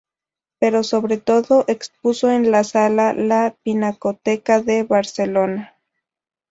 Pero sobre todo expuso en la sala la Pinacoteca de Barcelona.